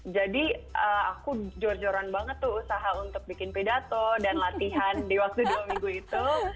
jadi aku jor joran banget tuh usaha untuk bikin pidato dan latihan di waktu dua minggu itu